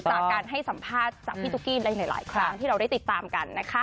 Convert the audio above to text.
จากการให้สัมภาษณ์จากพี่ตุ๊กกี้ในหลายครั้งที่เราได้ติดตามกันนะคะ